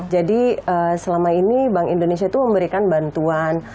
jadi selama ini bank indonesia itu memberikan bantuan